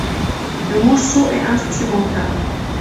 Le morceau est instrumental.